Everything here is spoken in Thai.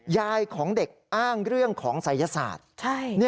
ยายของเด็กอ้างเรื่องของศัยศาสตร์